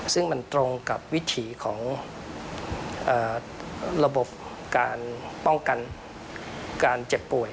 ซึ่งมันตรงกับวิถีของระบบการป้องกันการเจ็บป่วย